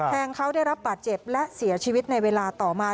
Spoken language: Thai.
แทงเขาได้รับบาดเจ็บและเสียชีวิตในเวลาต่อมา